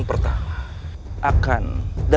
kanuragannya cukup tinggi